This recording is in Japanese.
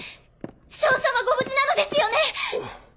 少佐はご無事なのですよね